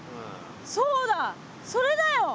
そうだそれだよ！